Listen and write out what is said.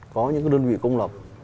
có những cái đơn vị công lập